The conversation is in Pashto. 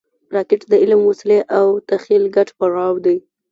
راکټ د علم، وسلې او تخیل ګډ پړاو دی